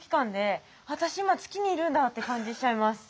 今月にいるんだって感じしちゃいます。